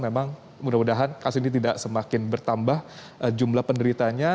memang mudah mudahan kasus ini tidak semakin bertambah jumlah penderitanya